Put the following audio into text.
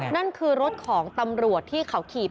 นั่นคือรถของตำรวจที่เขาขี่